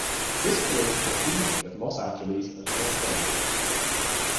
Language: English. This created confusion with Los Angeles and North Hollywood.